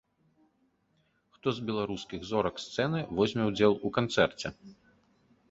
Хто з беларускіх зорак сцэны возьме ўдзел у канцэрце?